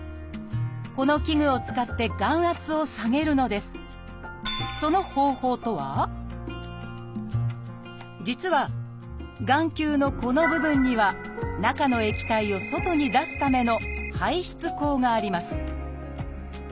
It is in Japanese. この器具を使って眼圧を下げるのです実は眼球のこの部分には中の液体を外に出すための排出口があります。